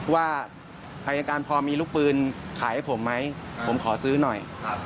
ว่าอายการพอมีลูกปืนขายให้ผมไหมผมขอซื้อหน่อย